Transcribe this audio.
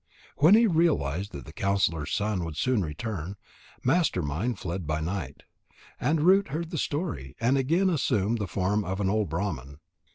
When he realized that the counsellor's son would soon return, Master mind fled by night. And Root heard the story, and again assumed the form of an old Brahman.